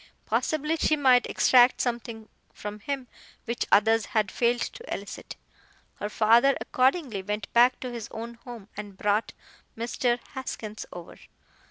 Possibly she might extract something from him which others had failed to elicit. Her father accordingly went back to his own home, and brought Mr. Haskins over.